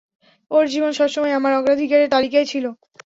ওর জীবন সবসময়ই আমার অগ্রাধিকারের তালিকায় ছিল!